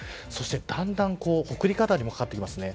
そして、だんだん北陸辺りもかかってきます。